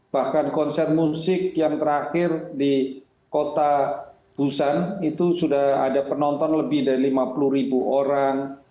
bahkan konser musik yang terakhir di kota busan itu sudah ada penonton lebih dari lima puluh ribu orang